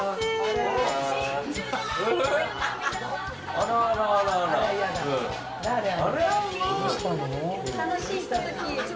あらあらあらあら。